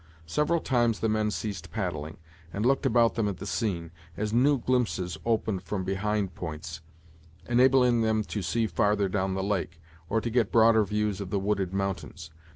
Several times the men ceased paddling, and looked about them at the scene, as new glimpses opened from behind points, enabling them to see farther down the lake, or to get broader views of the wooded mountains.